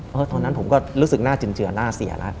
เพราะฉะนั้นผมก็รู้สึกน่าจึนเจือนน่าเสียนะ